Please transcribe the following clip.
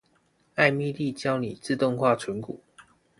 艾蜜莉教你自動化存股